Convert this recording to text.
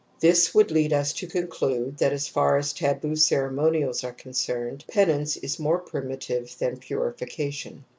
This would lead us to conclude that, as far as taboo cere monials are concerned, penance is more primi tive than purification.